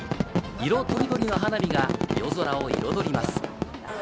色とりどりの花火が夜空を彩ります。